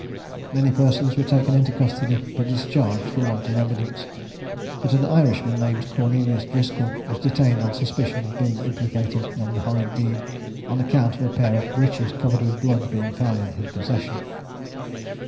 Many persons were taken into custody, but discharged for want of evidence: but an Irishman, named Cornelius Driscoll, was detained on suspicion of being implicated in the horrid deed, on account of a pair of breeches covered with blood being found in his possession.